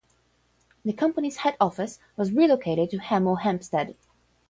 The company's head office was relocated to Hemel Hempstead.